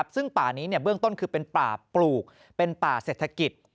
ซึ่งป่านี้เบื้องต้นคือเป็นป่าปลูกเป็นป่าเศรษฐกิจ